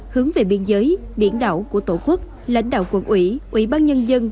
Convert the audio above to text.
hướng về biên giới biển đảo của tổ quốc lãnh đạo quận ủy ủy ban nhân dân